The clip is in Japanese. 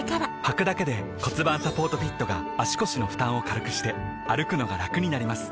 はくだけで骨盤サポートフィットが腰の負担を軽くして歩くのがラクになります